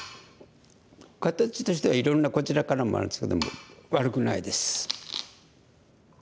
形としてはいろんなこちらからもあるんですけども悪くないです。